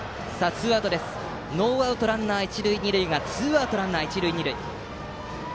ノーアウトランナー、一塁二塁がツーアウトランナー、一塁二塁。